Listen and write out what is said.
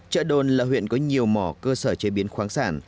chợ đồn là huyện có nhiều mỏ cơ sở chế biến khoáng sản